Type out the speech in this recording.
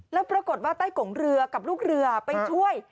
แล้วปรากฏว่าใต้กงเรือกับลูกเรือไปช่วย